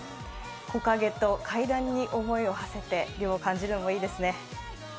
木陰と怪談に思いをはせて、涼を感じるのもいいですね。